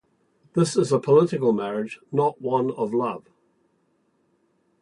This is a political marriage, not one of love.